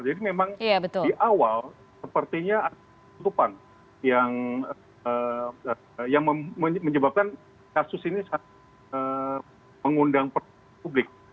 jadi memang di awal sepertinya ada tutupan yang menyebabkan kasus ini mengundang publik